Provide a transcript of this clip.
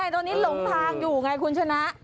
ตอนนี้หลงทางอยู่ไงคุณชนะ